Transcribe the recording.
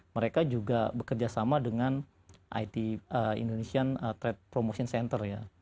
mereka juga bekerjasama dengan indonesian trade promotion center